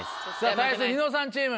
対してニノさんチーム。